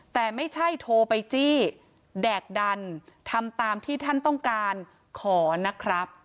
แต่ไม่ใช่โทรไปจี้แดกดันทำตามที่ท่านต้องการขอนะครับ